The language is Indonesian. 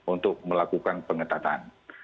untuk melakukan pengetahuan